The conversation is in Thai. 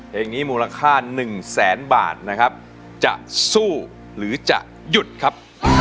เพลงนี้มูลค่าหนึ่งแสนบาทนะครับจะสู้หรือจะหยุดครับ